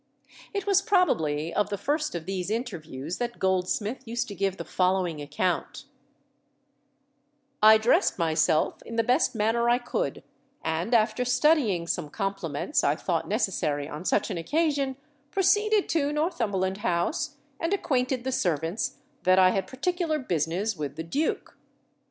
It was probably of the first of these interviews that Goldsmith used to give the following account: "I dressed myself in the best manner I could, and, after studying some compliments I thought necessary on such an occasion, proceeded to Northumberland House, and acquainted the servants that I had particular business with the duke.